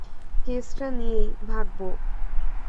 কেসটা নিয়েই, ভাগবো।